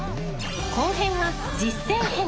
後編は実践編。